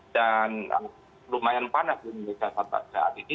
dan lumayan panas di indonesia saat saat saat ini